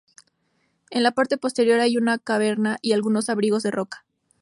En la parte posterior hay una caverna y algunos abrigos de roca.